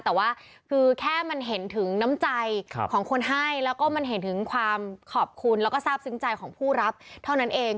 แต่ว่าคือแค่มันเห็นถึงน้ำใจของคนให้แล้วก็มันเห็นถึงความขอบคุณแล้วก็ทราบซึ้งใจของผู้รับเท่านั้นเอง